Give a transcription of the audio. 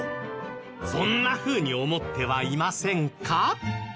そんなふうに思ってはいませんか？